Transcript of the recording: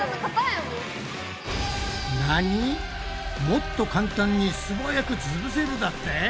もっと簡単に素早くつぶせるだって？